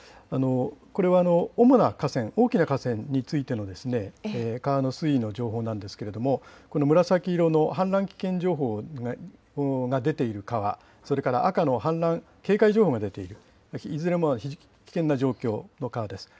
これは主な河川、大きな河川についての川の水位の情報なんですけれども、この紫色の氾濫危険情報が出ている川、それから赤の氾濫警戒情報が出ているいずれも危険な状況の川です。